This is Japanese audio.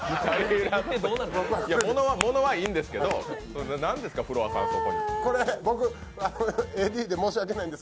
ものはいいんですけど、何ですか、フロアさん？